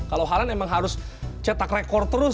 kalau harlen emang harus cetak rekor terus